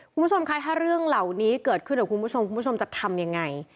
คุณผู้ชมคะถ้าเรื่องเหล่านี้เกิดขึ้นกับคุณผู้ชมคุณผู้ชมจะทำยังไง